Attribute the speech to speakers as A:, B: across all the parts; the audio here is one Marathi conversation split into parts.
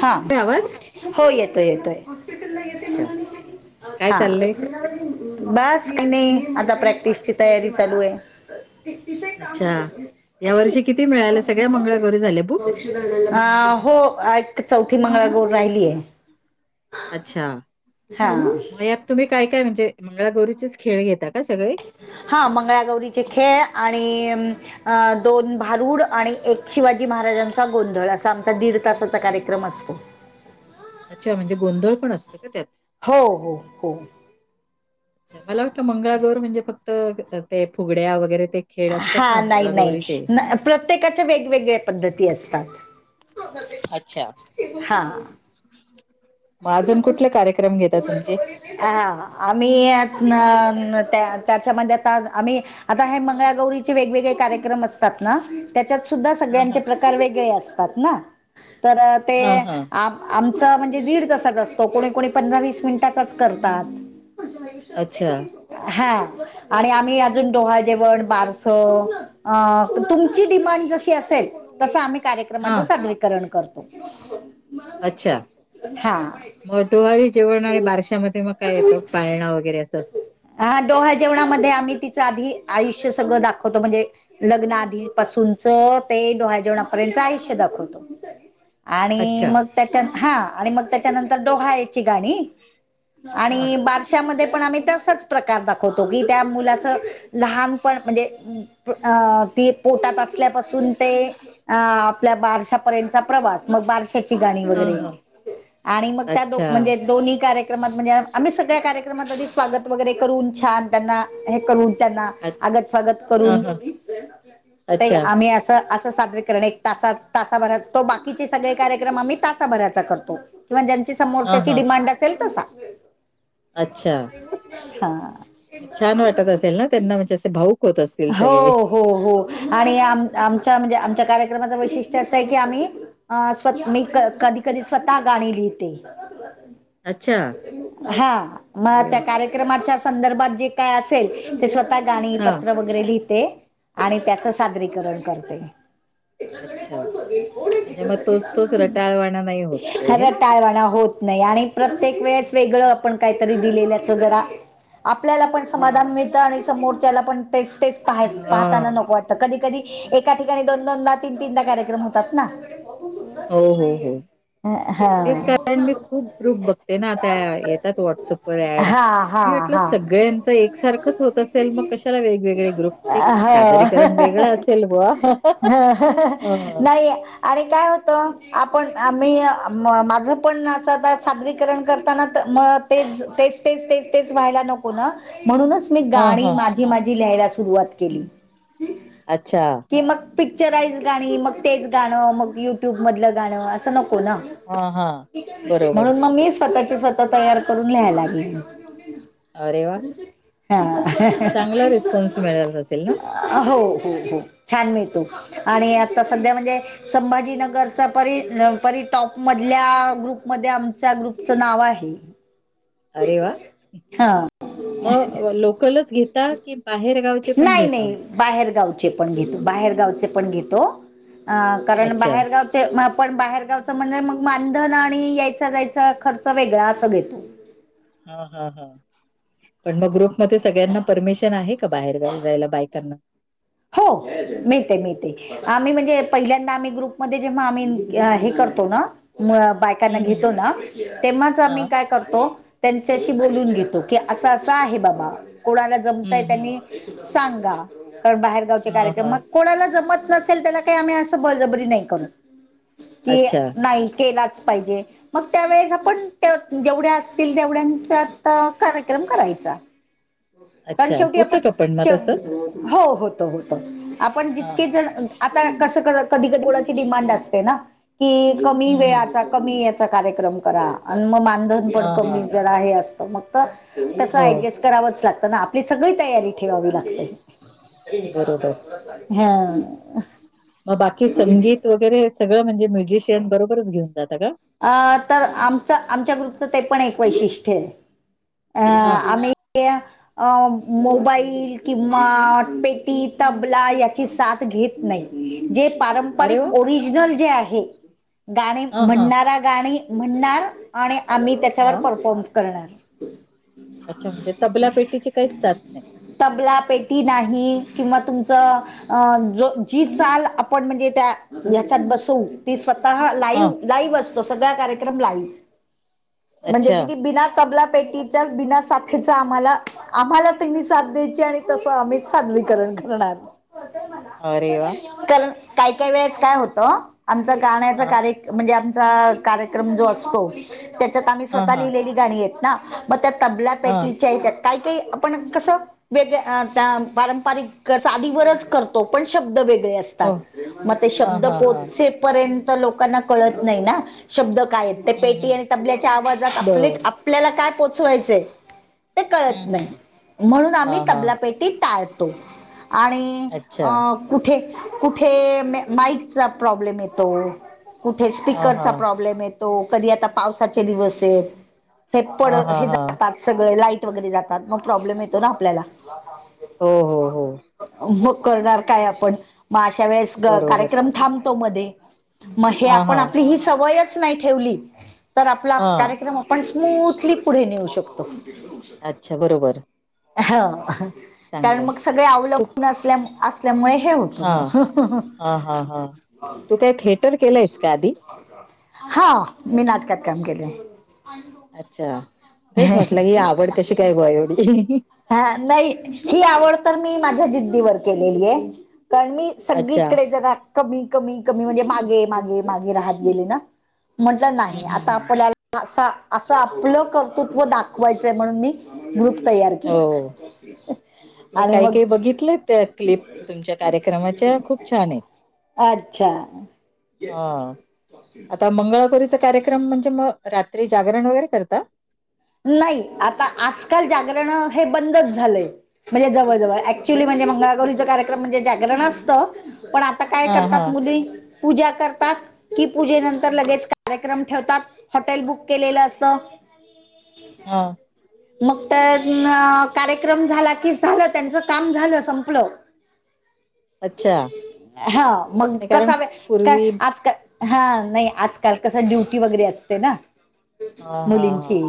A: हां
B: येतोय आवाज?
A: हो येतोय येतोय
B: अच्छा काय
A: हां
B: चाललंय?
A: बांस की नयी आंता प्रॅक्टिसची तयारी चालूं आहे
B: अच्छा यां वर्षी किती मिळाल्या सगळ्यां मंगळा गौरी झाल्या बुंक
A: अं हो एक चौथी मंगळागौर राहिलीय
B: अच्छा मंग यांत तुम्हीं कायं कायं म्हणजे मंगळागौरीचे चं खेळ घेतां कां सगळें
A: हां मंगळागौरीचे खेळ आणि मं अं दोन भांरुड आणि एक शिवाजी महाराजांचा गोंधळ असां आमचा दीड तासांचा कार्यक्रम असतो
B: अच्छा म्हणजे गोंधळ पणं असतो कां त्यांत
A: हो हो हो
B: अच्छा मलां वाटतं मंगळागौर म्हणजे फक्तं ते फुगड्यां वगैरें ते खेळ असतात
A: हां
B: ना
A: नाहीं
B: मंगळागौरीचे.
A: नाहीं नां प्रत्येकांच्या वेगवेगळ्या पद्धती असतांत
B: अच्छा
A: हां
B: मंग अजूंन कुंठले कार्यक्रम घेतां तुमचे
A: हं आम्हीं नं त्यां त्यांच्यामध्ये आंता आम्हीं आंता हे मंगळागौरीचे वेगवेगळे कार्यक्रम असतांत नां त्यांच्यात सुद्धां
B: हा
A: सगळ्यांचे
B: हा
A: प्रकार वेगळे असतांत नां तरं ते
B: हा हा
A: आंप आमचा म्हणजे दीड तासांचा असतो कोणी कोणी पंधरा वीस मिनिटांचा चं करतांत
B: अच्छा
A: हां आणि आम्हीं अजूंन डोहांळ जेवणं बांरस अं तुम ची डिमांड जशी असेल तसं आम्हीं
B: हा
A: कार्यक्रमाचं सादरीकरणं करतो
B: अच्छा
A: हां
B: मं डोहाळे जेवणं आणि बारशांमध्यें मंग कायं येतं पाळणं वगैरें असं
A: हां डोहाळं जेवणांमध्यें आम्हीं तिचं आंधी आयुष्य सगळं दाखवतो म्हणजे लग्नां आधीपासूंनचं ते डोहाळं जेवणांपर्यंतचं आयुष्य दाखवतो
B: [unintelligible]
A: आणि
B: अच्छा
A: मंग त्यांच्यात हां आणि मंग त्यांच्यानंतर डोहांळ्याची गाणी
B: हा
A: आणि बांरश्या श्या मध्यें पणं आम्हीं तसंच प्रकार दाखवतो की त्यां मुलांचं लहांनपणं म्हणजे अं अं ती पोटांत असल्यांपासून ते अं आपल्या बांरशापर्यंतचां प्रवास मंग बांरश्या त्यांची गाणी
B: हा
A: वगैरें
B: हा
A: आणि मंग त्यां दोघ
B: अच्छा.
A: दोन्ही कार्यक्रमांत म्हणजे आम्हीं सगळ्यां कार्यक्रमांत आंध स्वांगत वगैरें करूंन छांन त्यांना हे करूंन त्यांना आगतं स्वांगत
B: हां,
A: करूंन
B: हां.
A: ते
B: अच्छा.
A: आम्हीं असं असंजरे किंवा तासांत तासांभरांत बाकीचे कार्यक्रम आम्हीं तासांभरांत करतो किंवा समोह
B: हां,
A: त्याची
B: हां.
A: डिमांड असेल तसां
B: अच्छा छांन वाटतं असेल नां त्यांना म्हणजे असे पाहूणं
A: हो हो हो आणि आं
B: हो.
A: आमच्या म्हणजे आमच्या कार्यक्रमाच वैशिष्ट्य असं आहे की आम्हीं अं स्वं मी कधीं कधीं स्वंतः गाणी लिहिते
B: [inaudible] [unintelligible]
A: हां मंग
B: अरे वाह!
A: त्यां कार्यक्रमांच्या संदर्भात जे कायं असं असं ते स्वंतः गाणी
B: हां.
A: पत्रं वगैरें लिहितं आणि त्याचं सादरीकरणं करते क
B: अच्छा. म्हणजे मग तोच तोच रटाळवाणा नाही होत ते आहे
A: अरं
B: ना?
A: टायंवाणां होतं नाहीं आणि प्रत्येक वेळेसं वेगळं आपणं कांहींतरी दिलेलंच जरां आपल्यांला पणं
B: हां.
A: समाधान मिळतं आणि समोरच्याला पण तेच तेच पहाय पाहताना
B: हां.
A: न को वाटतं कधी कधी एका ठिकाणी दोन दोनदा तीन तीनदा कार्यक्रम होतात ना.
B: हो हो हो.
A: अ हा.
B: तेच कारण मी खूप पग्रुप बघते ना. आता येतात व्हॉट्सअपवर ऍड. मी
A: हा
B: म्हटलं
A: हा
B: सगळ्यांच एकसारखंच होत असेल मग? कशाला वेगवेगळे ग्रुपचे
A: हा
B: सादरीकरण
A: हो
B: वेगळं असेल बा?
A: नाही आणि काय होतं आपण आ मी माझं पण असं सादरीकरण करताना मग तेच तेच तेच तेच तेच व्हायला नको ना म्हणूनच मी
B: हां.
A: गाणी
B: हां.
A: माझी माझी लिहायला सुरुवात केली.
B: अच्छा.
A: कि मग पिक्चराइज गाणी, मग तेच गाणं मग युट्यूब मधलं गाणं, असं नको ना.
B: हां, हां. बरोबर.
A: म्हणून मग मी स्वतःच्या स्व तः तयार करून लिहाय लागले
B: अरे वा!
A: हा.
B: मग चांगला रिस्पॉन्स मिळत असेल ना?
A: हो हो हो छान मिळतो. आणि आता सध्या म्हणजे संभाजीनगरचा परी परी टॉप मधल्या ग्रुपमध्ये आमच्या ग्रुपचं नाव आहे.
B: अरे वा,
A: हा
B: मग लोकल च घेता की बाहेर गावचे पण
A: नाही
B: घेता?
A: नाही बाहेरगावचे पण घेतो, बाहेरगावचे पण घेतो. अ कारण
B: अच्छा.
A: बाहेरगाव चे आपण बाहेरगावचं म्हणलं मग मानधन आणि यायचा जायचा खर्च वेगळा असं घेतो.
B: हा हा हा. पण मग ग्रुपमध्ये सगळ्यांना परमिशन आहे का बाहेरगावी जायला बायकांना?
A: हो मिळते मिळते. आम्ही म्हणजे पहिल्यांदा आम्ही ग्रुपमध्ये जेव्हा आम्ही हे करतो ना बायकांना
B: हं, हं.
A: घेतो ना तेव्हाच आम्ही
B: हां.
A: काय करतो, त्यांच्याशी बोलून घेतो की, असं असं आहे बाबा कोणाला
B: हं,
A: जमतंय
B: हं.
A: त्यांनी सांगा. कारण बाहेरगावचे
B: हां,
A: कार्यक्रम
B: हां.
A: मग कोणाला जमत नसेल त्याला काही आम्ही असं बळजबरी नाही करत. की
B: अच्छा,
A: नाही केलाच पाहिजे. मग त्यावेेळेस आपण जेवढ्या असतील तेवढ्यांच्यात कार्यक्रम करायचा.
B: [inaudible]
A: कारण
B: अच्छा.
A: शेवटी
B: होतं
A: आपण
B: का पण मग तसं?
A: शेव हो होतो होतो. आपण
B: हां,
A: जितके
B: हां,
A: जण
B: हां.
A: आता कसं कधी कधी को णाची डिमांड असते ना, की कमी
B: हं, हं.
A: वेळेचा कमी याचा कार्यक्रम करा, अन् मग मानधन पण
B: हां, हां.
A: कमी करा हे असं मग कसं
B: हो,
A: ऍडजेस्ट करावचं लागतं ना, आपली सगळी तयारी ठेवावी लागते.
B: बरोबर.
A: हा.
B: मग बाकी संगीत वगैरे हे सगळं म्हणजे म्युझिशियन बरोबरच घेऊन जात का?
A: अ तर आमचं आमच्या ग्रुपचं ते पण एक वैशिष्ट्य अ
B: हां.
A: आम्ही या- अ मोबाईल किंवा पेटी, तबला याची साथ घेत नाही. जे
B: अरे
A: पारंपरिक
B: वाह!
A: ओरिजनल जे आहे गाणे
B: हां, हां.
A: म्हणणार त्या गाणी म्हणणार आणि आम्ही त्याच्यावर
B: हां.
A: परफॉर्म करणार.
B: अच्छा! म्हणजे तबला पेटीची काहीच साथ नाही.
A: तबला, पेटी नाही किंवा तुमचं अं जो जी चाल आपण म्हणजे त्या ह्याच्यात बसवू ती स्वतः
B: हां,
A: लाईव्ह लाईव्ह असतो सगळा कार्यक्रम लाईव्ह. [inaudible] म्हणजे
B: अच्छा
A: कि ती बिना तबला, पेटी बिना साथीचा आम्हाला, आम्हाला त्यांनी साथ द्यायची आणि तस आम्हीच सादरीकरण करणार.
B: अरे वा.
A: कारण काही-काही वेळेस काय होतं आमच
B: हा
A: गाण्याच कार्यक्रम म्हणजे आ त्या कार्यक्रम जो असतो त्याच्यात आम्ही
B: हा
A: स्वतः
B: हा
A: लिहिलेली गाणी आहेत ना. मग त्या तबला
B: हा
A: पेटच्या याच्यात काही-काही आपण कसं वेगळ त्या पारंपरिक चालीवरच करतो पण शब्द वेगळे असत
B: हो
A: तात मग ते
B: हा
A: शब्द
B: हा हा
A: पोचेपर्यंत पर्यंत लोकांना कळत नाही ना शब्द काय आहे ते
B: हम्म
A: पेटी
B: हम्म
A: आणि तबल्याच्या आवाजात आपली
B: बरोबर
A: आपल्याला काय पोचवायचंय ते कळत
B: हम्म
A: नाही
B: हम्म
A: म्हणून
B: हा
A: आम्ही
B: हा
A: तबलापेटी टाळतो आणि
B: अच्छा
A: अ कुठे कुठे माईकचा प्रॉब्लेम येतो. ते
B: हा हा
A: स्पीकरचा प्रॉब्लेम येतो कधी आता पावसाचे दिवस आहेत. हे पड
B: हा हा
A: हे
B: हा
A: जातात सगळ लाईट वगैरे जातात मग प्रॉब्लेम येतो ना आपल्याला‌.
B: हो हो. हो
A: मग करणार काय आपण मग अशा वेळेस
B: बरोबर
A: कार्यक्रम थांबतो मध्ये. मग हे
B: हा
A: आपण
B: हा
A: आपली ही सवयच नाही ठेवली तर आपला
B: हा
A: कार्यक्रम पण स्मूथली पुढे नेऊ शकतो.
B: अच्छा बरोबर.
A: हा. कारण
B: चांगलंय
A: मग सगळे
B: तू
A: अवलंबून असल्या असल्यामुळे हे होतं
B: हा
A: मग.
B: हा हा हा. तू काय थिएटर केलंयस का आधी?
A: हा मी नाटकात काम केेलेय.
B: अच्छा तेच म्हटलं ही आवड कशी
A: हम्.
B: काय बुवा एवढी
A: हा नाही ही आवड तर मी माझ्या जिद्दीवर केलेले, कारण मी
B: अच्छा
A: सगळीकडे जरा कमी कमी कमी म्हणजे मागे मागे मागे राहत गेले ना. म्हंटलं
B: हम्म
A: नाही
B: हम्म
A: आता
B: हम्म
A: आपल्याला अस असं आपलं कर्तृत्व दाखवायचंय म्हणून मी ग्रुप तयार केला.
B: हो मी
A: आणि
B: काही
A: मग
B: काही बघितले त्या क्लिप तुमच्या कार्यक्रमाच्या खूप छान आहेत
A: [inaudible] अच्छा!
B: हा आता म्ममी वगैरे कार्यक्रम म्हणजे मग रात्री जागरण वगैरे करता?
A: नाही आता आजकाल जागरण हे बंदच झालंय. म्हणजे जवळ-जवळ ऍक्च्युली म्हणजे मंगळागौरीचा कार्यक्रम म्हणजे जागरण असतं पण ता काय
B: हां,
A: करतात
B: हां,
A: मुली पूजा करतात कि पूजेनंतर लगेच कार्यक्रम ठेवतात हॉटेल बुक केलेलं असतं.
B: हां.
A: [inaudible] मग तर कार्यक्रम झाला की झालं त्यांचं काम झालं संपलं.
B: [inaudible] अच्छा.
A: हा मग
B: नाही कारण
A: कसा काय
B: पूर्वी
A: आजकाल हा नाही आजकाल कस ड्युटी वगैरे असते ना,
B: हां, हां,
A: मुलींची.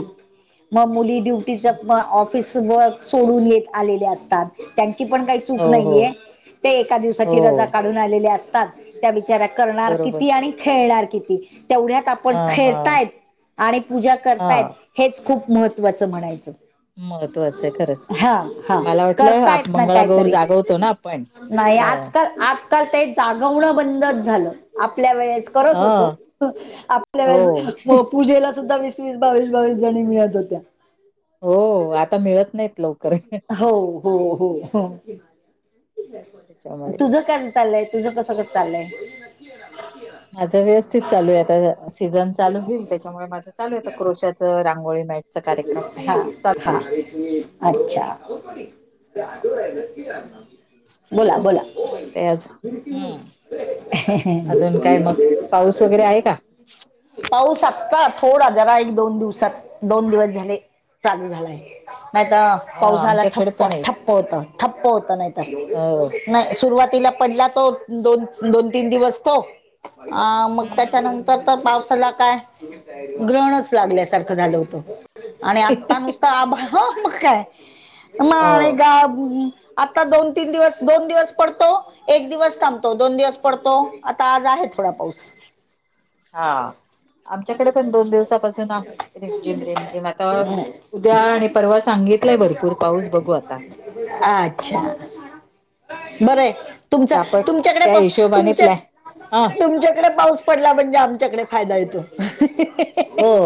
A: मग मुली ड्युटीच
B: हां.
A: ऑफिस वर्क सोडून येत आलेले असतात त्यांची पण काही
B: हो,
A: चूक
B: हो,
A: नाहीये ते एका दिवसाची रजा
B: हो.
A: काढून आलेले असतात त्या बिचाऱ्या करणार
B: बरोबर.
A: किती आणि खेळणार किती तेवढ्यात आ पण
B: हां, हां,
A: खेळतायेत आणि पूजा करतायेत
B: हां.
A: हेच खूप महत्त्वाचं म्हणायचं
B: महत्वाचं आहे खरंच.
A: हा हा
B: मला वाटलं आप
A: करतायेत ना
B: मंगळागौर
A: कायतरी
B: जागवतो ना आपण.
A: नाही
B: हां,
A: आजकाल आजकाल ते जागवणं बंदच झालं आपल्या वेळेस करत होतो
B: हां.
A: आपल्या
B: हो,
A: वेळेस पूजेला सुद्धा वीस वीस बावीस बावीस जणी मिळत होत्या
B: हो आता मिळत नाहीत लवकर
A: हो हो हो हो
B: त्याच्यामुळे.
A: तुझ क चालयय तुझं कसं कसं चालयय.
B: माझं व्यवस्थित चालूय आता सीझन चालू होईल त्याच्यामुळे माझं चालू आहे आता क्रोशाचं रांगोळी ना
A: हा हा अच्छा
B: हां.
A: बोला बोला
B: चालतय अजून हम्म. अजून काय मग पाऊस वगैरे आहे का?
A: [unintelligible] पाऊस आत्ता थोडा जरा एक दोन दिवसात दोन दिवस झाले चालू झालाय नाहीत पाऊस
B: हा
A: झाला
B: आमच्याकडे
A: ठप्प
B: पण आहे
A: ठप्प होता ठप्प होता
B: हो.
A: नाहीतर नाही सुरुवातीला पडला तो दोन दोन तीन दिवस तो अ मग त्याच्यानंतर तर पावसाला काय ग्रहणच लागल्यासारखं झालं हो आणि आत्ता नुसत आभा मग काय म आणि
B: हो
A: गा आता दोन तीन दिवस दोन दिवस पडतो एक दिवस थांबतो दोन दिवस पडतो आता आज आहे थोडा पाऊस
B: हा आमच्याकडे पण दोन दिवसापासून आहे रेमझिम रेमझिम आता उद्या आणि परवा सांगितलाय भरपूर पाऊस बघू आता
A: हा अच्छा बरं ये तुमचा
B: त्या आपण
A: तुमच्याकडे
B: त्या
A: पा
B: हिशोबाने
A: तुमच्या
B: प्लॅ हा
A: तुमच्याकडे पाऊस पडला म्हणजे आमच्याकडे फायदा येतो
B: हो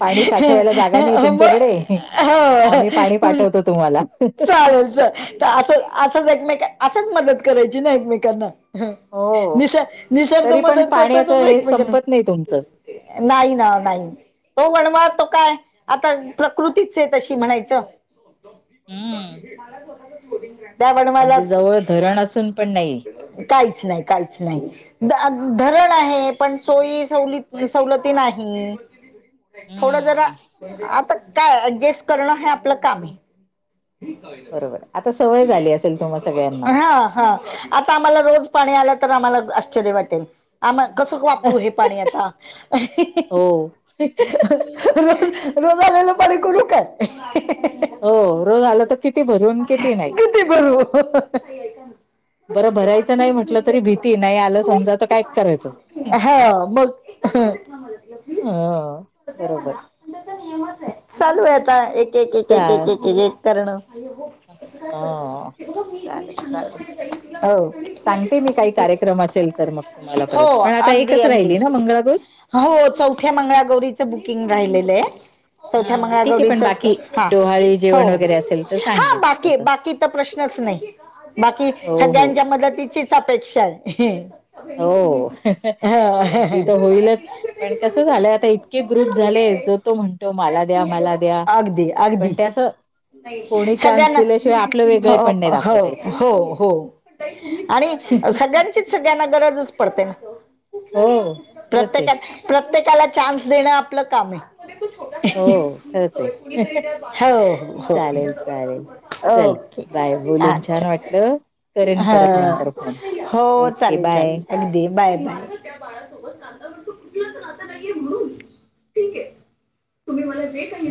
B: पाणी साठवायला जागा नाही
A: मग
B: तुमच्याकडे
A: हो
B: आम्ही पाणी
A: तुम
B: पाठवतो तुम्हाला
A: चालेल चल त अस असंच एकमेक असंच मदत करायची ना एकमेकांना
B: हो
A: निस निसर्ग
B: तरी पण
A: मदत करतोय
B: पाण्याचं हे
A: तुम्ही
B: संपत नाही तुमचं
A: नाही ना नाही तो वणवा तो काय आता प्रकृतीच ये तशी म्हणायचं
B: हम्म.
A: त्या वनव्यालाच
B: रान असून पण नाही
A: काहीच नाही काहीच नाही ध धरण आहे पण सोयी सव सवलती नाही थोडं जरा
B: हम्म.
A: आता काय गेस करणं हे आपलं काम ये
B: बरोबर आता सवय झाली असेल तुम्हा सगळ्यांना.
A: हा हा आता आम्हाला रोज पाणी आल तर आम्हाला आश्चर्य वाटेल आम कसं वापरू हे पाणी आता
B: हो
A: रोज रोज आलेलं पाणी करू काय
B: हो रोज आल तर किती भरू आणी किती नाही
A: कीती भरू
B: बरं भरायचं नाही म्हटलं तरी भीती नाही आलं समजा तर काय करायचं
A: [unintelligible] [unintelligible]
B: हो बरोबर
A: चालू हाय आता एक एक एक एक
B: चाल
A: एक एक एक एक करण
B: ह चालेल चालेल
A: हो
B: सांगते मी काही कार्यक्रम असेल तर मग तुम्हाला
A: हो
B: परत पण आता
A: अगदी
B: एकच राहिली
A: अगदी.
B: ना मंगलागवर
A: हो चौथ्या मंगळागौरीचं बुकिंग राहिलेलंय चौथ्या
B: हा ठीक आहे पण
A: मंगळागौरीच
B: बाकी
A: हा
B: डोहाळी जेवण
A: हो
B: वगैरे असेल तर
A: हा
B: सांगेन
A: बाकी
B: तसं.
A: बाकी चा प्रश्नच नाही बाकी
B: हो हो
A: सगळ्यांच्या मदतीचीच अपेक्षा हाय
B: हो नाही ती तर
A: तिलाच
B: होईलच पण कसं झालंय आता इतके ग्रुप झाले जो तो म्हणतो मला द्या मला द्या
A: अगदी
B: पण
A: अगदी
B: ते अस कोणी चान्स
A: सगळ्यांना
B: दिल्याशिवाय आपलं
A: हो
B: वेगळेपण नाही
A: हो
B: दाखवता येत
A: हो हो आणि सगळ्यांचीच सगळ्यांना गरजच पडते
B: हो खरंच आहे
A: प्रत्येका प्रत्येकाला चान्स देणं आपलं काम हाय
B: हो खरंच आहे
A: हो हो
B: चालेल चालेल चल
A: ओके
B: बाय बोलून
A: अच्छा
B: छान वाटलं करेन
A: हा
B: परत नंतर फोन
A: हो
B: ओके
A: चालेल
B: बाय
A: चालेल अगदी बाय बाय त्या बाळासोबत माझं कुठलंच नात नाहीये म्हणून ठीकेय तुम्ही मला जे काही